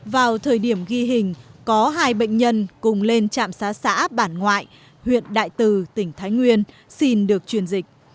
vào thời điểm ghi hình có hai bệnh nhân cùng lên trạm xá xã bản ngoại huyện đại từ tỉnh thái nguyên xin được truyền dịch